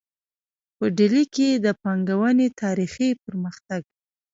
په ډیلي کې د پانګونې تاریخي پرمختګ